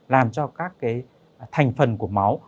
làm cho các thành phần của máu